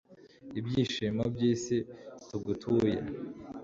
ibyishimo by'isi, tugutuye